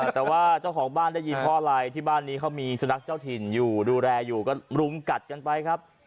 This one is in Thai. แต่ว่าเจ้าของบ้านได้ยินพอไรที่บ้านนี้เขามีสนักเจ้าถิ่นอยู่ดูแลกลุ้มกัจกันไป